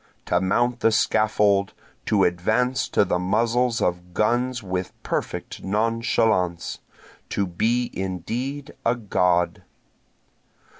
To mount the scaffold, to advance to the muzzles of guns with perfect nonchalance! To be indeed a God!